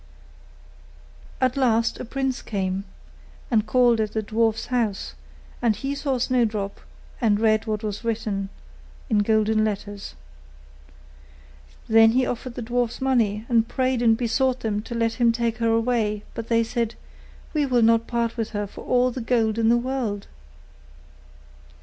At last a prince came and called at the dwarfs' house; and he saw Snowdrop, and read what was written in golden letters. Then he offered the dwarfs money, and prayed and besought them to let him take her away; but they said, 'We will not part with her for all the gold in the world.